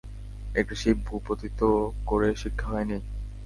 একটা শিপ ভূপাতিত করে শিক্ষা হয়নি?